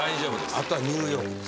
あとはニューヨークです